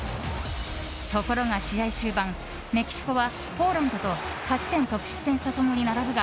ところが試合終盤メキシコはポーランドと勝ち点、得失点差共に並ぶが